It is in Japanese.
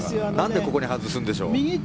何でここに外すんでしょう。